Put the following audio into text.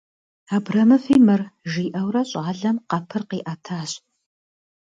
Абрэмыви мыр, - жиӏэурэ щӏалэм къэпыр къиӏэтащ.